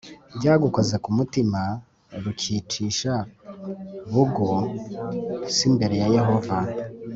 Byagukoze Ku Mutima R Ukicisha Bugu S Imbere Ya Yehova